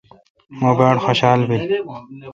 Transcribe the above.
مہ باڑ خوشال بیل۔